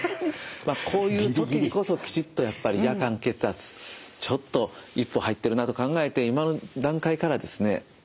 まあこういう時こそきちっとやっぱり夜間血圧ちょっと一歩入ってるなと考えて今の段階からですね